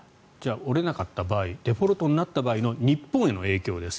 折れなかった場合デフォルトになった場合の日本への影響です。